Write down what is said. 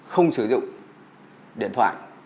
không sử dụng điện thoại